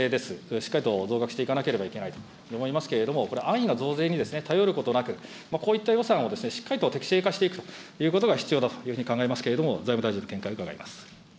しっかりと増額していかなければいけないと思いますけれども、これ、安易な増税に頼ることなく、こういった予算をしっかりと適正化していくということが必要だというふうに考えますけれども、財務大臣の見解を伺います。